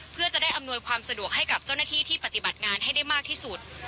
เพื่อจะได้อำนวยความสะดวกให้กับเจ้าหน้าที่ที่ปฏิบัติงานให้ได้มากที่สุด